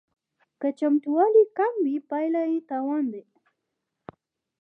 که چمتووالی کم وي پایله یې تاوان وي